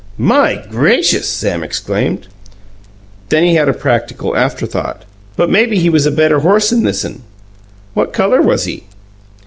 "My gracious!" Sam exclaimed. Then he had a practical afterthought. "But maybe he was a better horse than this'n. What colour was he?"